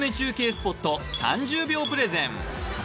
スポット３０秒プレゼン